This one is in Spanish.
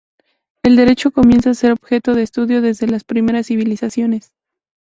El Derecho comienza a ser objeto de estudio desde las primeras civilizaciones.